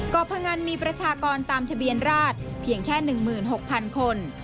พงันมีประชากรตามทะเบียนราชเพียงแค่๑๖๐๐๐คน